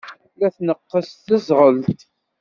La tneqqes teẓɣelt.